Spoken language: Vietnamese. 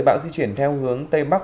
bão di chuyển theo hướng tây bắc